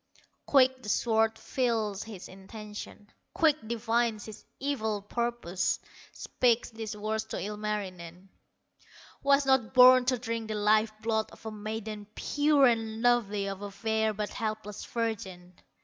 Quick the sword feels his intention, Quick divines his evil purpose, Speaks these words to Ilmarinen: "Was not born to drink the life blood Of a maiden pure and lovely, Of a fair but helpless virgin."